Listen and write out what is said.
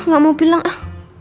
enggak mau bilang ah